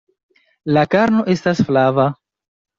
La karno estas flava.